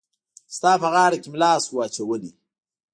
ستا په غاړه کي مي لاس وو اچولی